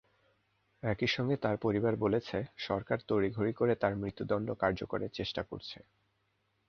একইসঙ্গে তার পরিবার বলেছে, সরকার তড়িঘড়ি করে তাঁর মৃত্যুদণ্ড কার্যকরের চেষ্টা করছে।